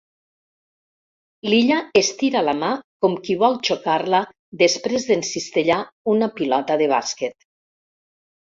L'Illa estira la mà com qui vol xocar-la després d'encistellar una pilota de bàsquet.